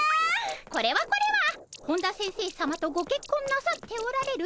これはこれは本田先生さまとごけっこんなさっておられる